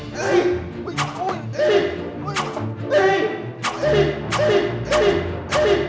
แกก็หล่อไป